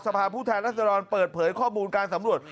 ผู้แทนรัศดรเปิดเผยข้อมูลการสำรวจ